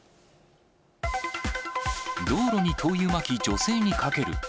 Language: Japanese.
道路に灯油まき女性に駆ける。